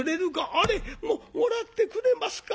「あれ！もらってくれますか！